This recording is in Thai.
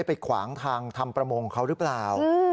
ไปขวางทางทำประมงเขาหรือเปล่า